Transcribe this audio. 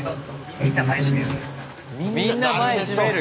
みんな前しめる！